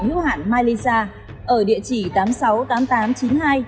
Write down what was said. nhu hạn mylisa ở địa chỉ tám trăm sáu mươi tám nghìn tám trăm chín mươi hai